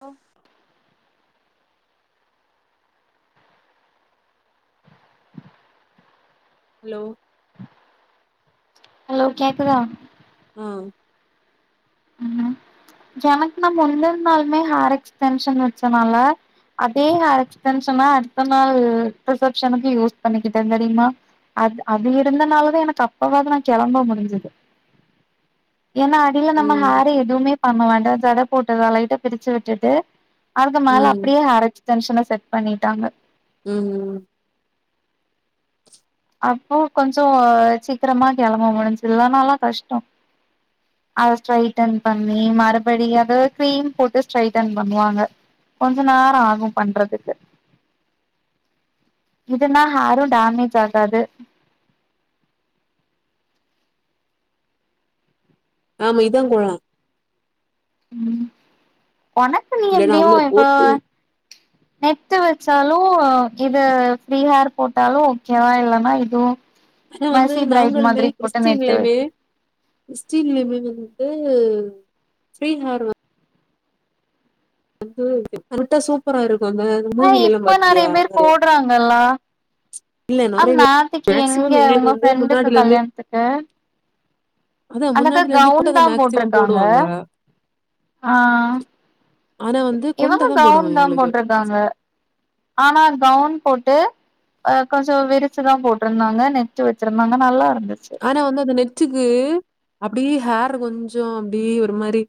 ஒ hello hello கேக்குதா அ ஹலோ எனக்கு நான் முன்ன இருந்தாலுமே ஹார் எக்ஸ்டென்ஷன் வச்சதுனால அதேஹார்டென்ஷன் அடுத்த நாள் ரிசப்ஷனுக்கு யூஸ் பண்ணிக்கிட்டே தெரியுமா அது அது இருந்தனாலதா எனக்கு அப்பவாவது நான் கெளம்ப முடிஞ்சுது ஏன்னா இல்ல நம்ம ம் ஹேர எதுவுமே பண்ண வேண்டா ஜடை போட்டத லைட்ட பிரிச்சு விட்டுட்டு அடுத்த ம் மேல ம் அப்டியே ஹரச்சு டென்ஷனை செட் பண்ணிட்டாங்க ம் ம் அப்போ கொஞ்சோ சீக்கிரமா கெளம்ப முடிஞ்சு இல்லனாலா கஷ்டோ அதை ஸ்ட்ரைட்டன் பண்ணி மறுபடியு அத கிரீம் போட்டு ஸ்ட்ரைட்டன் பண்ணுவாங்க கொஞ்ச நேர ஆகும் பண்றதுக்கு இதுன்னா ஹாரு டேமேஜ் ஆகாது ஆமா இது போட்லா ம் உனக்கு நீ இல்லன்னா எப்டியோ அவ்ளோ இப்போ போட்டு நெட்டு வெச்சாலு இது ஃப்ரீ ஹேர் போட்டாலு ஓகேவா இல்லைன்னா இதுவு ஆனா வந்து மெர்சி பிரைட் நாங்களுமே மாதிரி போட்டு நெட்டு வை கிறிஸ்டின்லயுமே கிறிஸ்டின்லயுமே வந்து ஃப்ரீ ஹார் வ வந்து கரெக்டா சூப்பரா இருக்கு அந்த ஆனா மூவில எல்லா இப்ப பாத்தியா நெறைய பேர் நறையா போடுறாங்கல்ல இல்ல ஆனா நறையவே நேத்திக்கு எங்க மேக்சிமம் உங்க எங்களுக்கு வந்து ஃப்ரெண்டுக்கு முன்னாடில இருந்தே கல்யாணத்துக்கு அதா அந்தக்கா முன்னாடில இருந்து கூட கவுன் அத தா மேக்சிமம் போட்ருக்காங்க போடுவாங்க ஆ ஆனா வந்து இவங்க கொண்டதா போடுவோ கவுன் தான் எங்களுக்கு போட்ருக்காங்க ஆனா அது கவுன் போட்டு அ கொஞ்ச விரிச்சுதா போட்ருந்தாங்க நெட்டு வச்சிருந்தாங்க நல்லா இருந்துச்சு ஆனா வந்து அந்த நெட்டுக்கு அப்படியே ஹேர் கொஞ்சோ அப்டி ஒரு மாரி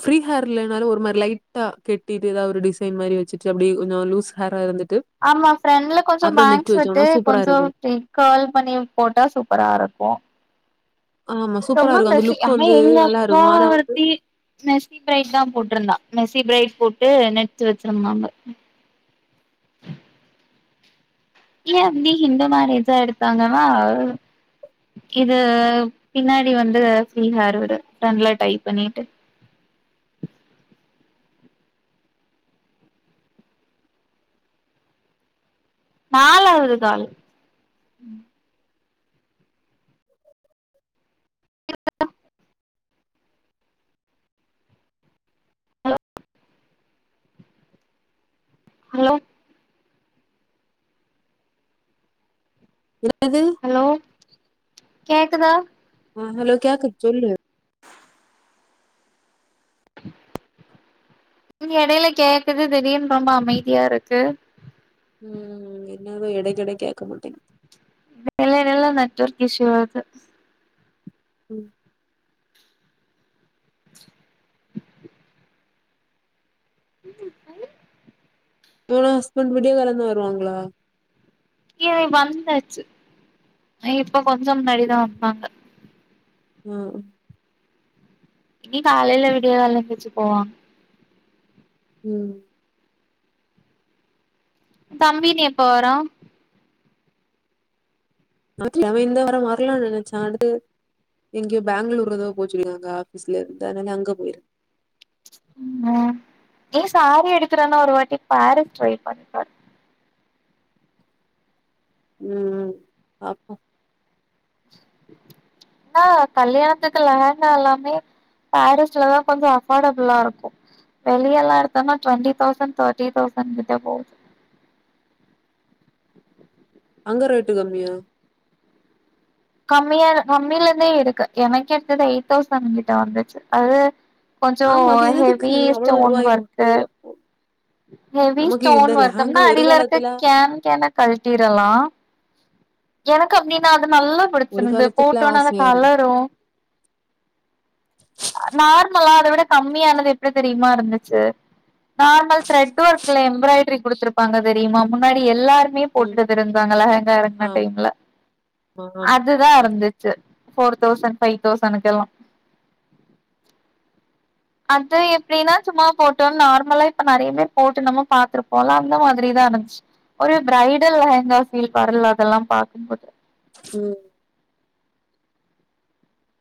ஃப்ரீ ஹேர் இல்லைனாலு ஒரு மாரி லைட்டா கட்டிட்டு எதாவ ஒரு டிசைன் மாரி வெச்சிட்டு அப்படி கொஞ்சோ லூஸ் ஹேரா இருந்துட்டு ஆமா ஃப்ரெண்ட்ல கொஞ்சோ அப்புறம் நெட்டு பேங்க்ஸ் விட்டு வச்சோம்னா சூப்பரா கொஞ்சோ இருக்கும். [unintelligible] கர்ல் பண்ணி போட்டா சூப்பரா இருக்கு ஆமா சூப்பரா ரொம்ப இருக்கும். அந்த லுக் [unintelligible] ஆனா வந்து எங்க நல்லா அக்கா இருக்கும். ஆனா வந்து ஒருர்த்தி மெஸ்ஸி பிரரைட் தா போட்டிருந்தா மெஸ்ஸி பிரரைட் போட்டு நடிச்சு வெச்சிருந்தாங்க இல்ல அப்டி ஹிந்து மேரேஜா எடுத்தாங்கனா இது பின்னாடி வந்து ஃப்ரீஹார் ஒரு ஃப்ரண்ட்ல டைப் பண்ணிட்டு நாலாவது கால் ஹலோ ஹலோ என்னது ஹலோ கேக்குதா அ ஹலோ கேக்குது சொல்லு எடையில கேக்குது திடீர்னு ரொம்ப அமைதியா இருக்கு ம் என்னதோ எடைக்கெட கேட்க மாட்டேங்குது எடலே எடலே நெட்வர்க் இஷ்யூ ஆவுது ம் [inaudible] உன் ஹஸ்பண்ட் விடிய காலந்தா வருவாங்களா ஏ வந்தாச்சு இப்ப கொஞ்சோ முன்னாடி தா வந்தாங்க ம் இனி காலைல விடிய கால்ல எந்திச்சு போவாங்க ம் தம்பி இனி எப்ப வரு அவன் இந்த வார வரலானு நெனைச்சா அது எங்கயோ பேங்களூர் எதோ போ சொல்லிருக்காங்க ஆபீஸ்ல இருந்து அதனால அங்க போயிருக் ஏ சாரி எடுக்குறதுனா ஒரு வாட்டி பாரிஸ் ட்ரை பண்ணி பாரு ம் ம் பாப்போ ஆ கல்யாணத்துக்கு லெகங்கா எல்லாமே பாரீஸ்லதா கொஞ்சோ அஃபோர்டபுளா இருக்கு வெளியல எடுத்தொனா டொண்டி தௌசண்ட் தேர்ட்டி தௌசண்ட்கிட்ட போகு அங்க ரேட்டு கம்மியா கம்மியா கம்மிலந்தே இருக்கு எனக் எடுத்தது எயிட் தௌசண்ட்கிட்ட வந்துச்சு அது கொஞ்சோ ஆமா அது எதுக்கு ஹெவி அவ்வளவு ஸ்டோன் ரூபாய் குடுத்து ஒர்க்கு அப்போ ஹவி நமக்கு இந்த ஸ்டோன் லெஹங்கா ஒர்க்குனா ஒரு அடியிலருக்க காலத்துல கேன் கேன கழ்ட்டிறலா எனக்கு அப்டினா அது நல் ஒரு புடிச்சிருந்து காலத்துல ஃபோட்டோனால ஆசையா இருந்து கலரூ நார்மலா அதவிட கம்மியானது எப்டி தெரியுமா இருந்துச்சு நார்மல் த்ரெட் ஒர்க்ல எம்ப்ராய்ட்ரி குடுத்துருப்பாங்க தெரியுமா முன்னாடி எல்லாரு மே ம் போட்டுட்டு இருந்தாங்கள லெஹெங்கா எறங்கன ஆமா டைம்ல ஆமா அதுதா இருந்துச்சு ஃபோர் தௌசண்ட் ஃபைவ் தௌசண்க்கெல்லா அது எப்டினா சும்மா ஃபோட்டோ நார்மலா இப்ப நறைய பேர் போட்டு நம்ம பாத்துருப்போல அந்த மாதிரிதா இருந்துச்சு ஒரு ப்ரைடல் லெஹங்கா ஃபீல் வர்ல அதெல்லா பாக்குபோது ம்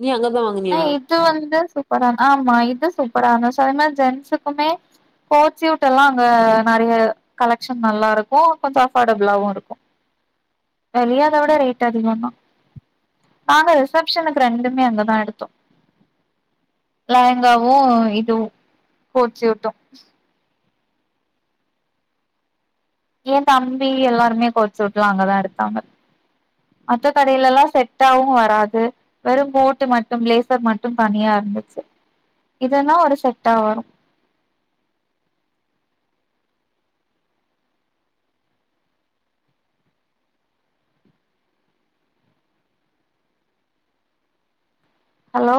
நீ அங்கதா ஆ வாங்குனியா இது வந்து சூப்பரா ஆமா இது சூப்பரா சோ அது மாரி ஜென்ஸுக்குமே கோட்சூட்லா அங்க நறைய கலெக்ஷன் நல்லாருக்கு கொஞ்சொ அஃபோர்டபுளாவு இருக்கு ரியாதோட ரேட் அதிகோதா நாங்க ரிசப்ஷனுக்கு ரெண்டுமே அங்கதா எடுத் தோ லெகங்காவு இதுவு கோட்சூட்டு எ தம்பி எல்லாருமே கோட்சூட்லா அங்கதா எடுத்தாங்க மத்த கடைலலா செட்டாவு வராது வெறு கோட்டு மட்டு பிளேசர் மட்டு தனியா இருந்துச்சி இதுன்னா ஒரு செட்டா வரு ஹலோ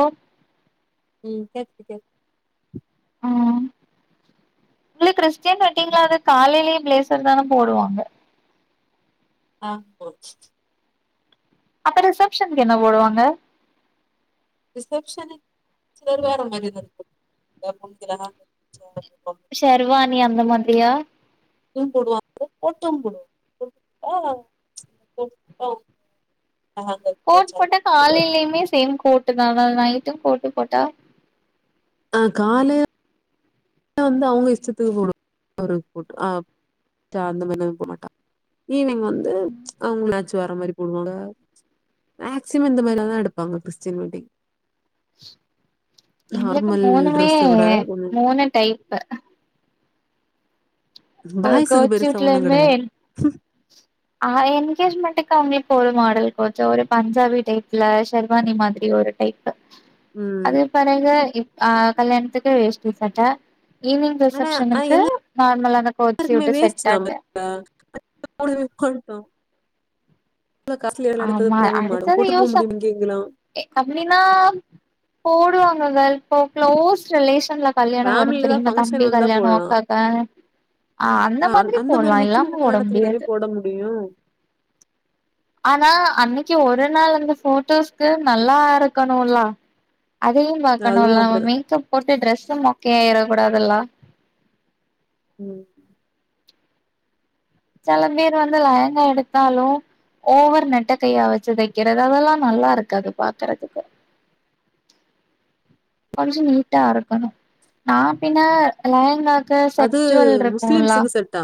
ம் கேக்குது கேக் ம் உங்க கிறிஸ்டன் வெட்டிங்களா காலேலயே பிளேசர்தான போடுவாங்க ஆ போ அப்ப ரிசப்ஷன்கு என்ன போடுவாங்க ரிஷச்சனுக்கு செர்வாணி அந்த மாரி போட்டுக் எதா புடிக்கலனா [unintelligible] ஷெர்வானி அந்த மாதிரியா இதுவு போடுவாங்க கோட்டும் போடுவாங்க அ அ கோட் போட்டா காலைலயுமே சேம் கோட்டுதா நைட்டு கோட்டு போட்டா ஆ காலே ல வந்து அவுங்க இஷ்டத்துக்கு போடு அவருக்கு கோட் ஆ அந்த மாரிலா இவ போட மாட்டா ஈவினிங் வந்து அவுங்கள வேர மாரி போடுவாங்க மேக்ஸிமம் இந்த மாரிலாதா எடுப்பாங்க கிறிஸ்டின் வெட்டிங் எங்களுக்கு நார்மல் மூணுமே ட்ரெஸ்ஸ விட ஒன்னு மூணு டைப்பு பாய்சுக்கு பெருசா ஒன்னுங் கோட்சூட்லயுமே கெடையாது ஆ என்கேஜ்மெண்ட்டுக்கு அவுங்குளுக்கு ஒரு மாடல் கொஞ்சோ ஒரு பஞ்சாபி டைப்ல ஷெர்வானி மாரி ஒரு டைப்பு ம் அது பாருங்க ஆ கல்யாணத்துக்கே வேஷ்டி சட்ட ஈவினிங் ஆனா ஆ ரிசப்ஷனுக்கு நார்மலான கோட்சூட்டு செட் ஆட்ட டா [inaudible] காசிலியா எள எடுத்தது ஆமா போடவே மாடோ போட்டு போவ முடியும் இங்க எங்கல்லாம் ஏ அப்டின்னா போடுவாங்க கலேஸ் இப்போ க்ளோஸ் ரிலேஷன்ல கல்யாணோ வரு ஃபேமிலில தா தெரிமா ஃபங்க்ஷன் தம்பி வந்தா கல்யாணோ ஒ போட்லா அக்காக்கா ஆ அந்த மாதிரி அந்த மாரி போல்லா இல்லாம முக்கியமான போட கல்யாணத்துக்கு தானே முடியாது போட முடியு ஆனா அன்னைக்கு ஒரு நாள் அந்த போட்டோஸ்க்கு நல்லா இருக்கணோலா அதையு அதுவு பாக்கணுல நம்ம அப்டிதா மேக்கப் போட்டு டிரரெஸ்ஸு மோக்கையாயிட கூடாதுல்ல ம் செல பேரு வந்து லேகேங்கா எடுத்தாலு ஓவர் நெட்ட கைய்யா வச்சி தக்கிறது அதெல்லா நல்லா இருக்காது பாக்குறதுக்கு கொஞ்சோ நீட்டா அரக்கனு நா பின்னா லயங்காக்கு செட் ஜோவல்ருக்குல்ல திட்டா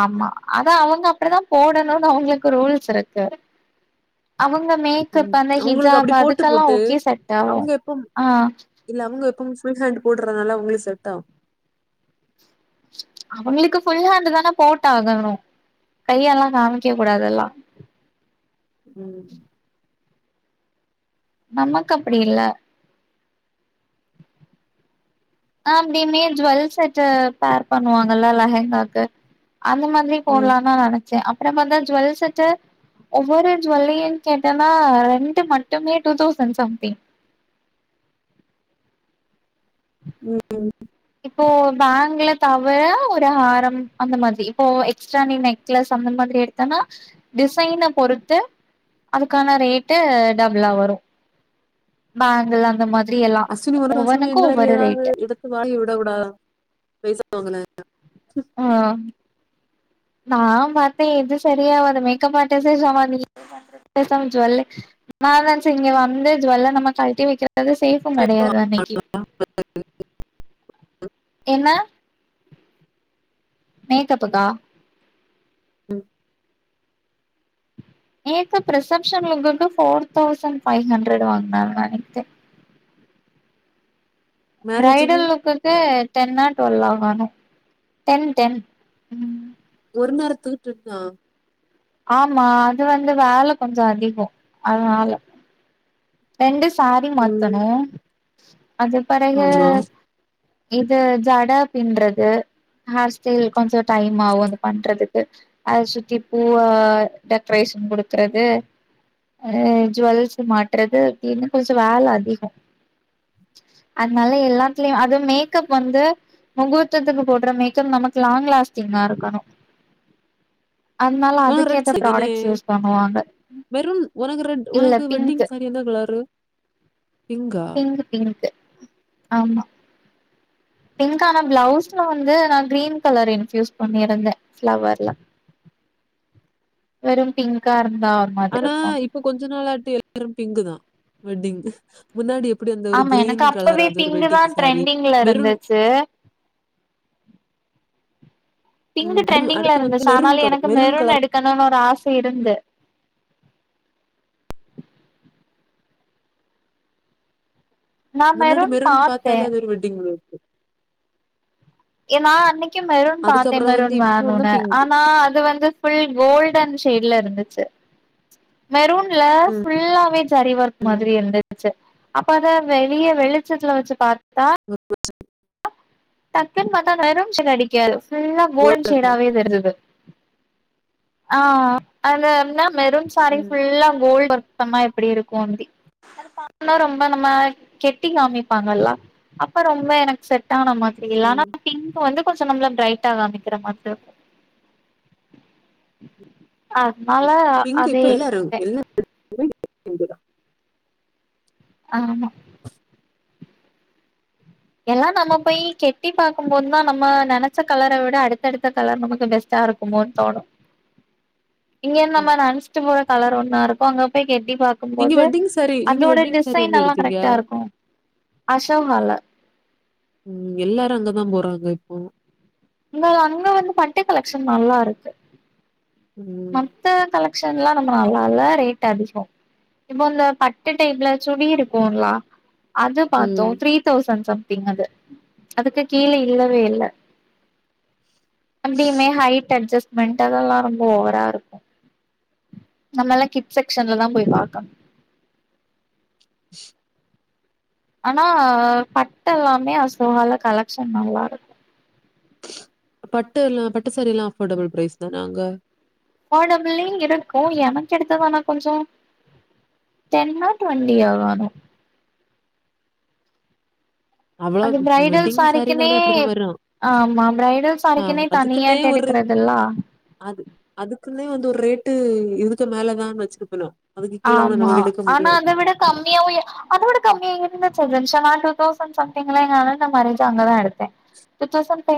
ஆமா அது அவங்க அப்டிதா போடணுனு அவுங்களுக்கு ரூல்ஸ் இருக்கு அவங்க மேக்கப் ம் அந்த அவங்களுக்கு ஹிஜாப் அப்டி போட்டு அதுக்கெல்லா போட்டு ஓகே செட் ஆவு அவங்க எப்பம் ஆ இல்ல அவங்க எப்போமே ஃபுல் ஹேண்ட் போட்றனால அவுங்ளுக் செட் ஆவு அவங்களுக்கு ஃபுல் ஹாண்டு தான போட் ஆகணு கையல்லா காமிக்க கூடாதுதெல்லா ம் நமக்கு அப்டி இல்ல அப்டியுமே ஜுவெல் செட்டு பேர் பண்ணுவாங்கல்ல லேஹேங்காக்கு அந்த மாதிரி ம் போட்லான் தா நெனச்சே அப்பறம்மா தா ஜுவல் செட்டு ஒவ்வொரு ஜுவல்லையு கேட்டன்னா ரெண்டு மட்டுமே டூ தௌசண்ட் சம்திங் ம் ம் இப்போ பேங்க்ல தவரா ஒரு ஹாரம் அந்த மாதிரி இப்போ எக்ஸ்ட்ரா நீ நெக்லஸ் அந்த மாதிரி எடு த்தனா டிசைன பொறுத்து அதுக்கான ரேட்டு டபுளா வரு பேங்கள் அந்த மாதிரி எல்லா அஸ்வினி ஒரு மாசமா ஒவ்வொனுக்கு இந்த மாரி ஒவ்வொரு ஏதாவது ரேட்டு வாங்கி வுட கூடாதா [unintelligible] ஆ நா பத்தே இது சரியா ஆவாது மேக்கப் ஆரிஸ்டே சம நீ பேசாம ஜுல்லே நா நெனசே இங்க வந்து ஜுல்ல நம்ம கழிட்டி வக்கிறது சேஃப் கடையாது அன்னக்கி என்ன மேக்கப்புக்கா மேக்கப் ரிசெப்சன் லுக்குக்கு ஃபோர் தௌசண்ட் ஃபைவ் ஹண்ட்ரட் வாங்குனாங்க நேத்தே மேரேஜுக்கு ஃபிரைடல் லுக்குக்கு டென்னா டுவெல்லா [unintelligible] டென் டென் ஒரு நேரத்து துட்ருக்கா ஆமா அது வந்து வேல கொஞ்சோ அதிகோ அதனால ரெண்டு சேரி ம் மாத்தணு அது பெறகு ஆமா இது ஜட பின்றது கேர் ஸ்டைல் கொஞ்ச டைம் ஆவு அது பண்றதுக்கு அத சுத்தி பூவ டெக்கரேஷன் குடுக்குறது அ ஜுவல்ஸ் மாட்றது திந்துபோச்சி வேல அதிகோ அதனால எல்லாத்துலயு அது மேக்கப் வந்து முகூர்த்தத்துக்கு போட்ற மேக்கப் நமக்கு லாங் லாஸ்டிங்கா இருக்கணு அதுனால ஆ ரெட் அதுக்கேத்த சாரி தானே ப்ராடக்ட்ஸ் யூஸ் பண்ணுவாங்க மெரூன் உனக்கு ரெட் இல்ல உனக்கு வெட்டிங் திங்க்சு எந்த கலரு பிங்கா? பிங்கு பிங்க்கு ஆமா பிங்க் ஆனா பிளவுஸ்ல வந்து நா கிரீன் கலர் இன்ஃயூஸ் பண்ணியிருந்தே ப்ளவர்ல வெறும் பிங்கா இருந்தா மாதிரி ஆனா இருக்கு இப்ப கொஞ்ச நாள் ஆட்டு எல்லாரு பிங்க்குதா வெட்டிங்கு முன்னாடி எப்டி வந்த ஒரு ஆமா கிரீன் எனக்கு கலர் ஆது ஒரு வெட்டிங் சாரீ மெருன் தே பிங்கு ம். அடுத் ட்ரெண்டிங்ல அடுத்து இருந்து வந்து சோ மெரூன் ஆனாலு கலர். எனக்கு மெரூன் மெருன் கலர். எடுக்கணுனு ஒரு ஆச இருந்து நா முன்னடி மெரூன் மெருன் பாத்தே பாத்தால அது ஒரு வெட்டிங்க் ஏ நா அன்னைக்கு மெருன் பாத்தே அதுக்கப்புறம் வந்து மெருன் இப்போ வந்து வேணும்னு பிங்க். ஆனா அது வந்து புல் கோல்டன் ஸ்டைல்ல இருந்துச்சு மெரூன் ல ம். ஃபுல்லாவே ஜரி ஒரக் ம். மாரி இருந்துச்சு அப்ப அத வெளிய வெளிச்சத்துல வச்சு பாத்தா [inaudible] டக்குன்னு பாத்தா மெரூன் சேடா அடிக்காது ஃபுல்லா கோல் கோல்ட் சேடாவே இருந்தது ஆ அதானா மெருன் சாரி ம். புல்லா கோல்ட த்தமா எப்டி இருக்கு தி னா ரொம்ப நம்ம கெட்டி காமிப்பாங்கல்லா அப்ப ரொம்ப எனக்கு செட் ஆன மாதிரி இல் ம். ஆனாப் பிங்க வந்து கொஞ்ச நம்மள பிரைட் ஆ காமிக்கிற மாதிரி அனாலா பிங்க்கு இப்ப எல்லாரு எல்லா ஆமா எல்லா நம்ம போய் கெட்டி பாக்கும போது தா நம்ம நெனைச்ச கலர விட அடுத்தடுத்த கலர் நமக்கு பெஸ்ட்டா இருக் குமோனு தோணு இங்க ம். நெனச்சிட்டு போற கலரா ஒண்ணா இருக்கு அங்க போய் கெட்டி பாக்கு நீங்க இருக்கும்போது வெட்டிங் சாரி நீங்க அதனோட வெட்டிங் சாரி டிசைன் எங்க எல்லா எடுத்தீங்க? கரெக்டா இருக்கு அசோகால ம் எல்லாரு அங்கதா போறாங்க இப்போ அங்க அங்க வந்து பட்டு கலெக்ஷன் நல்லா இருக்கு ம். மத்த கலெக்ஷன்லா நம்ம இல்லா ரேட் அதிக இப்ப இந்த பட்டு டைப்ல சுடி இருக்கும்ள அது பாத்தோ ம். த்ரி தவ்சண்ட் சம்திங் அது அதுக்கு கீழ இல்லவே இல்ல அப்டியுமே ஹட் அட்ஜஸ்மெண்ட் அதெல்லாரும் ஓவரா இருக்கு நம்மல்லா கிட் செக்ஷன்ல தா போய் பாக்கணு [inaudible] ஆனா பட் எல்லாமே அசோஹால கலெக்ஷன் நல்லா இருக்கு பட்டெல்லா பட்டு சாரி எல்லா அஃபோர்டபிள் பிரைஸ் தான அங்க ஃபோடபுலயு இருக்கு எனக்கெடுத்ததானா கொஞ்சோ டென்னோ டுவெண்ட்டியோவானு அவ்வளோ அந்த பிரைடல் வெட்டிங் சாரிக்குனே சாரீனாலே அப்படிதான் வரும். ஆமா பிரைடல் ஆ சாரிக்குனே அதுக்குன்னே தனியாட்டு ஒரு எடுக்கறதுல்லா அது அதுக்குன்னே வந்து ஒரு ரேட்டு இதுக்கு மேலதான்னு வச்சிருக்கணு ஆமா ஆனா அத விட கம்மியாவு அத விட கம்மி இருந்துச்சி டிரெஸ்ஸெல்லா டூ தௌசண்ட் சம்திங்லா எங்க அண்ண மேரேஜ் அங்கதா எடுத்தே டூ தௌசன்ட் ஃபவ்